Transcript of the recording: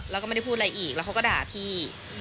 แล้วก็ไม่ได้พูดอะไรอีกแล้วเขาก็ด่าพี่